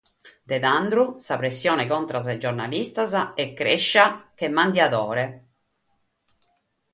Dae tando sa pressione contra a sos giornalistas est crèschida che tumore malinnu.